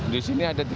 di sini ada tiga kali